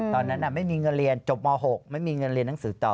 ตอนนั้นไม่มีเงินเรียนจบม๖ไม่มีเงินเรียนหนังสือต่อ